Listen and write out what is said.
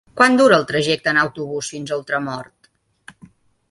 Quant dura el trajecte en autobús fins a Ultramort?